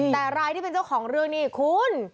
แต่รายที่เป็นเจ้าของเรื่องนี้คุณ